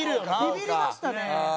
ビビりましたね。